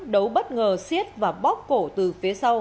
đấu bất ngờ xiết và bóc cổ từ phía sau